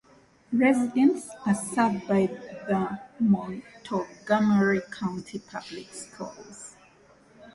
Residents are served by the Montgomery County Public Schools.